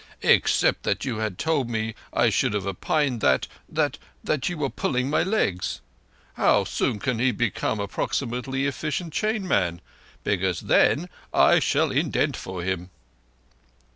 Except that you had told me I should have opined that—that—that you were pulling my legs. How soon can he become approximately effeecient chain man? Because then I shall indent for him."